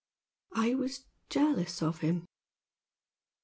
"I was jealous of him!